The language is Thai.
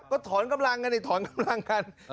ก็ถอนกำลังกันในถอนกำลังกัน